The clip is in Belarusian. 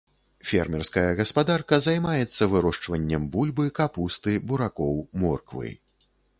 Фермерская гаспадарка займаецца вырошчваннем бульбы, капусты, буракоў, морквы.